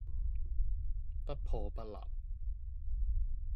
不破不立